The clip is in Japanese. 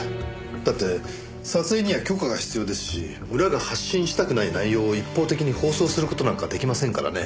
だって撮影には許可が必要ですし村が発信したくない内容を一方的に放送する事なんか出来ませんからね。